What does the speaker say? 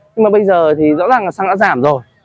nhưng mà bây giờ thì rõ ràng là xăng đã giảm rồi